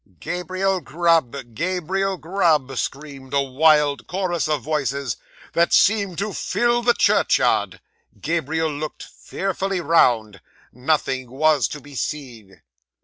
'"Gabriel Grub! Gabriel Grub!" screamed a wild chorus of voices that seemed to fill the churchyard. Gabriel looked fearfully round nothing was to be seen.